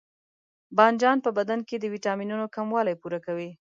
بانجان په بدن کې د ویټامینونو کموالی پوره کوي.